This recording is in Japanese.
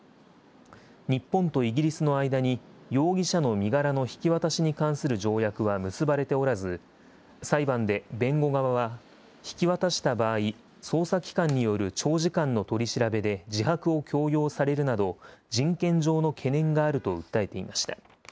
日本とイギリスの間に、容疑者の身柄の引き渡しに関する条約は結ばれておらず、裁判で弁護側は、引き渡した場合、捜査機関による長時間の取り調べで、自白を強要されるなど、人権上の懸念があると訴えていました。